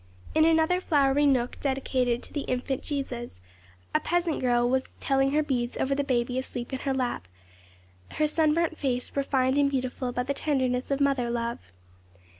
In another flowery nook dedicated to the Infant Jesus, a peasant girl was telling her beads over the baby asleep in her lap; her sunburnt face refined and beautiful by the tenderness of mother love.